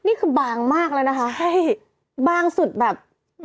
อันนี้คือบางมากละนะคะบางสุดแบบ